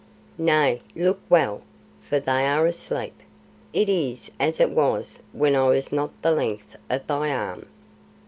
"Nay, look well, for they are asleep. It is as it was when I was not the length of thy arm."